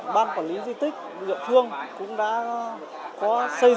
ban quản lý di tích lượng thương cũng đã có xây dựng